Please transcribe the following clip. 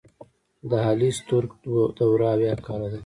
د هالی ستورک دوره اويا کاله ده.